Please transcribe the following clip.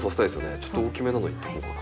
ちょっと大きめなのいっとこうかな。